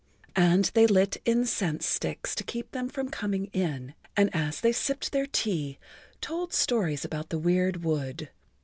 And they lit incense sticks to keep them from coming in, and as they sipped their tea, told stories about the weird wood.